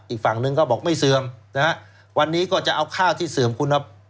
อีกฝั่งนึงก็บอกไม่เสื่อมนะฮะวันนี้ก็จะเอาข้าวที่เสื่อมคุณ